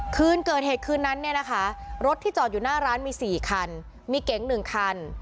คืนเกิดเหตุคืนนั้นเนี่ยนะคะรถที่จอดอยู่หน้าร้านมี๔คันมีเก๋ง๑คัน